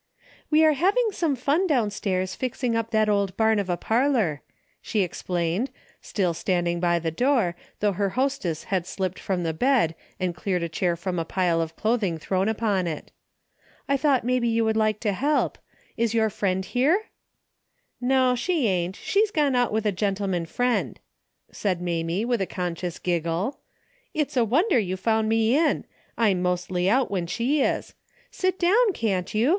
"We are having some fun downstairs fixing up that old barn of a parlor," she explained, still standing by the door, though her hostess had slipped from the bed and cleared a chair from a pile of clothing thrown upon it. " I thought maybe you would like to help. Is your friend here ?"" 1^0, she ain't, she's gone out with a gen tleman friend," said Mamie, with a conscious giggle. " It's a wonder you found me in. I'm mostly out when she is. Sit down, can't you